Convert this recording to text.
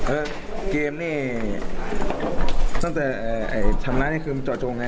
เอ้อเกมส์เนี่ยตั้งแต่ใช้ทำร้ายกลุ่มคือเจาะจงไง